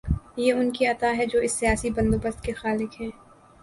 یہ ان کی عطا ہے جو اس سیاسی بندوبست کے خالق ہیں۔